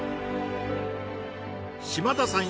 嶋田さん